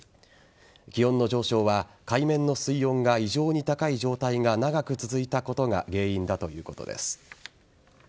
気温の上昇は海面の水温が異常に高い状態が長く続いたことが原因だということです。